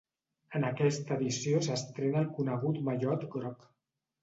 En aquesta edició s'estrena el conegut mallot groc.